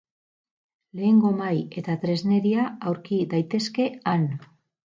Lehengo mahai eta tresneria aurki daitezke han.